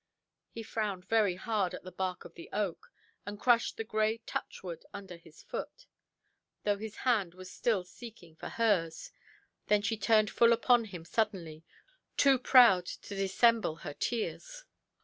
He frowned very hard at the bark of the oak, and crushed the grey touchwood under his foot, though his hand was still seeking for hers. Then she turned full upon him suddenly, too proud to dissemble her tears.